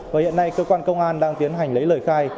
và hiện nay cơ quan công an đang tiến hành lấy lời khai